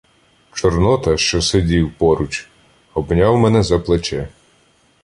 Чорнота, що сидів поруч, обняв мене за плече.